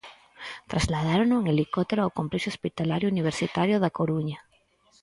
Trasladárono en helicóptero ao Complexo Hospitalario Universitario da Coruña.